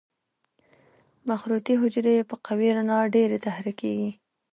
مخروطي حجرې په قوي رڼا ډېرې تحریکېږي.